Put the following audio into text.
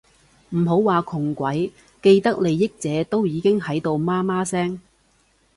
唔好話窮鬼，既得利益者都已經喺度媽媽聲